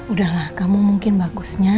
udahlah kamu mungkin bagusnya